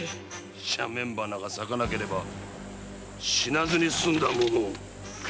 赦免花が咲かなければ死なずにすんだものを！